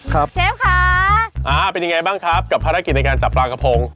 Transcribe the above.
เชฟค่ะอ่าเป็นยังไงบ้างครับกับภารกิจในการจับปลากระพง